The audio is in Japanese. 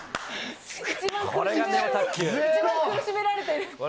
一番苦しめられてる。